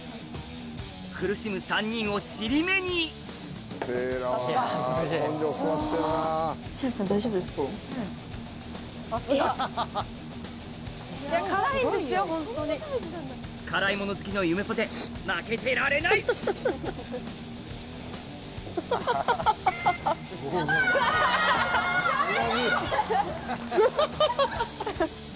苦しむ３人を尻目に辛い物好きのゆめぽて負けてられないやめて！